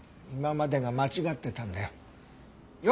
今までが間違ってたんだよ。